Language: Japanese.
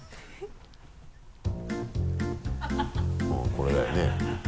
これだよね。